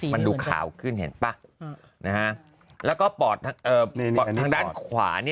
มันดูขาวขึ้นเห็นป่ะแล้วก็ปอดปอดทางด้านขวา